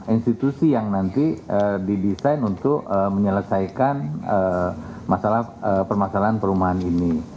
institusi yang nanti didesain untuk menyelesaikan masalah permasalahan perumahan ini